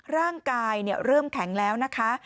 ร่างกายเริ่มแข็งแล้วนะคะ